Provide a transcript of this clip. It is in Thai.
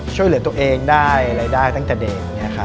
ช่วยเหลือตัวเองได้รายได้ตั้งแต่เด็ก